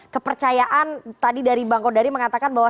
kepercayaan tadi dari bang kodari mengatakan bahwa